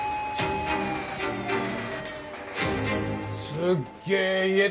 すっげえ家だな！